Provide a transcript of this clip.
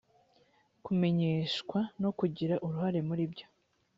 kumenyeshwa no kugira uruhare muri byo